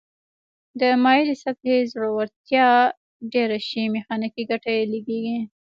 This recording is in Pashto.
د مایلې سطحې ځوړتیا ډیره شي میخانیکي ګټه یې لږیږي.